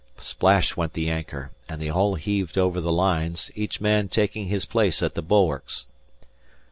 Splash went the anchor, and they all heaved over the lines, each man taking his own place at the bulwarks.